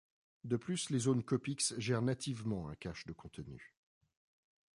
De plus, les zones Copix gèrent nativement un cache de contenu.